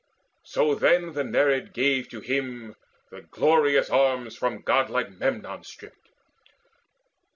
So then the Nereid gave to him The glorious arms from godlike Memnon stripped.